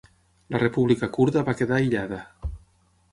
La república kurda va quedar aïllada.